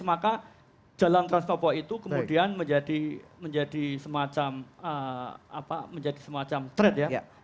maka jalan trans papua itu kemudian menjadi semacam threat